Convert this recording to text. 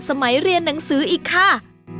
สมัยเรียนหนังสืออีกค่ะ